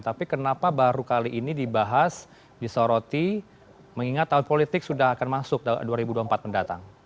tapi kenapa baru kali ini dibahas disoroti mengingat tahun politik sudah akan masuk dua ribu dua puluh empat mendatang